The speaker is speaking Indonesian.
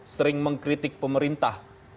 sering mengkritik pemerintah